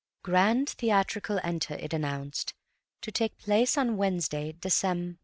"GRAND THEATRICAL ENTER" it announced, to take place on "Wednesday, Decem."